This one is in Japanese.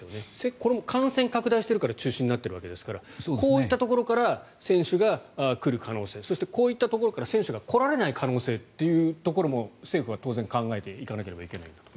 これも感染拡大しているから中止になっているわけですからこういったところから選手が来る可能性そして、こういったところから選手が来られない可能性というところも政府は当然考えていかなければいけない。